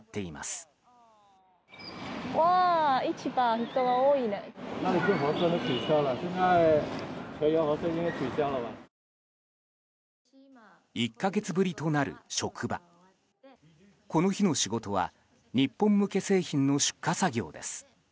この日の仕事は日本向け製品の出荷作業です。